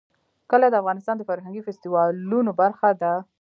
کلي د افغانستان د فرهنګي فستیوالونو برخه ده.